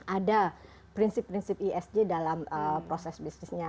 ada prinsip prinsip isg dalam proses bisnisnya